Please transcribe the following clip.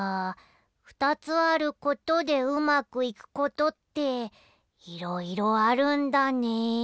２つあることでうまくいくことっていろいろあるんだね。